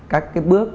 các cái bước